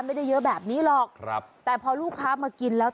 ไม่ได้เยอะแบบนี้หรอกครับแต่พอลูกค้ามากินแล้ว